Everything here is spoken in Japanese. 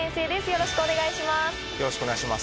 よろしくお願いします。